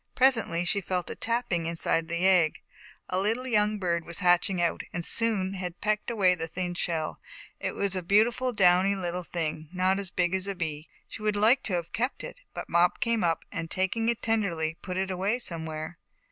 Presently, she felt a tapping inside of the egg. A little young bird was hatching out, and soon had pecked away the thin shell. It was a beautiful downy little thing, not as big as a bee. She would like to have kept it, but Mop came up and taking it tenderly, put it away somewhere.